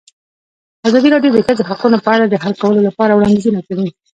ازادي راډیو د د ښځو حقونه په اړه د حل کولو لپاره وړاندیزونه کړي.